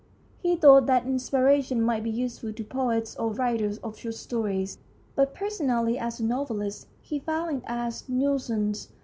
He thought that inspiration might be useful to poets or writers of short stories, but personally as a novelist he found it a nuisance.